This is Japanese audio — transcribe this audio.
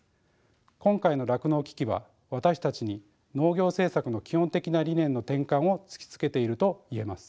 今回の酪農危機は私たちに農業政策の基本的な理念の転換を突きつけていると言えます。